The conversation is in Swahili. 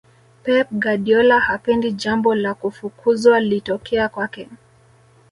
pep guardiola hapendi jambo la kufukuzwa litokea kwake